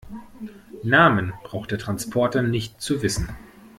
Namen braucht der Transporter nicht zu wissen.